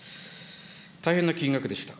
大変な金額でした。